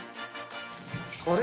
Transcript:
あれ？